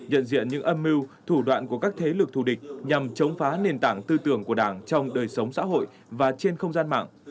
nhận diện những âm mưu thủ đoạn của các thế lực thù địch nhằm chống phá nền tảng tư tưởng của đảng trong đời sống xã hội và trên không gian mạng